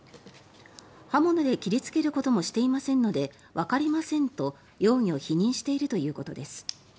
刃物で切りつけることもしていませんのでわかりませんと容疑を否認しているということです。